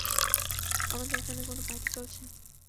আমাদের এখানে কোন পার্টি চলছে?